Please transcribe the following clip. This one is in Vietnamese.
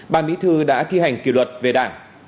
bà mỹ thư đã thi hành kỷ luật về đảng